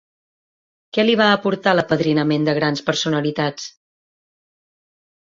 Què li va aportar l'apadrinament de grans personalitats?